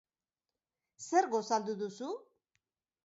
Zer gosaldu duzu?